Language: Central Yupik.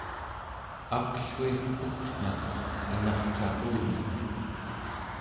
akluirpek'nak inarcaqunak